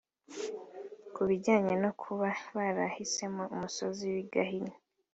Ku bijyanye no kuba barahisemo umusozi w'i Gahini